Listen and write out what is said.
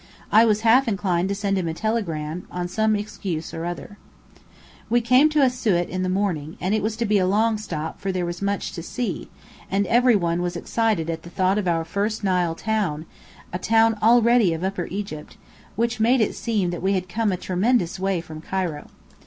I was half inclined to send him a telegram, on some excuse or other. We came to Asiut in the morning, and it was to be a long stop, for there was much to see, and every one was excited at the thought of our first Nile town, a town already of Upper Egypt, which made it seem that we had come a tremendous way from Cairo.